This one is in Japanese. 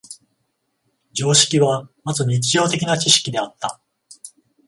常識はまず日常的な知識であった。